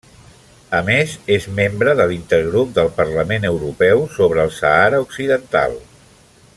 A més, és membre de l'Intergrup del Parlament Europeu sobre el Sàhara Occidental.